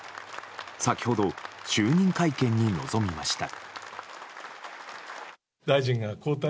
先程、就任会見に臨みました。